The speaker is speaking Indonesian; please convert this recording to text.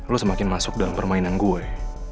lu semakin masuk dalam permainan gue